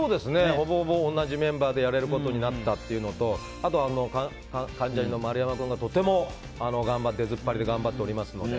ほぼほぼ、同じメンバーでやれることになったというのとあとは、関ジャニの丸山君がとても出ずっぱりで頑張っておりますので。